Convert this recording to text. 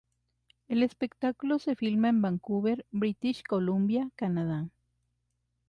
El espectáculo se filma en Vancouver, British Columbia, Canadá.